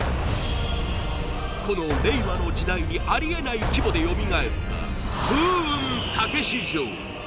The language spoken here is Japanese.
この令和の時代にありえない規模でよみがえった「風雲！たけし城」